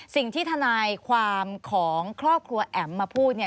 สิ่งที่ทนายความของครอบครัวแอ๋มมาพูดเนี่ย